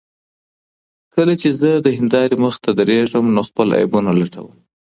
کله چې زه د هندارې مخې ته درېږم نو خپل عیبونه لټوم.